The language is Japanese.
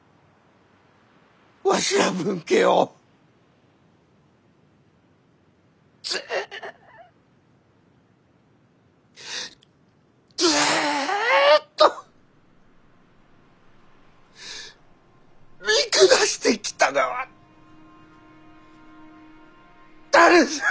わしら分家をずっとずっと見下してきたがは誰じゃ。